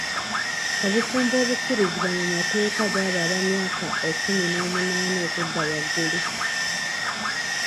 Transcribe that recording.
Obufumbo obukkirizibwa mu mateeka bw'abo ab'emyaka ekkumi n'omunaana n'okudda waggulu.